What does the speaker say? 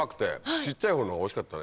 小っちゃいほうのがおいしかったね